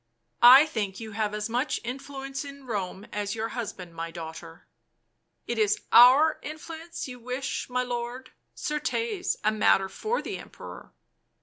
" I think you have as much influence in Rome as your husband, my daughter." "It is our influence you wish, my lord — certes, a matter for the Emperor."